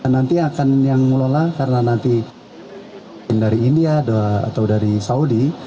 nanti akan yang ngelola karena nanti dari india atau dari saudi